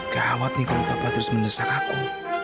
gawat nih kalau papa terus menyesak aku